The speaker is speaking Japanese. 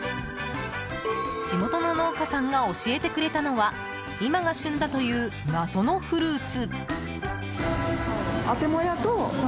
地元の農家さんが教えてくれたのは今が旬だという謎のフルーツ。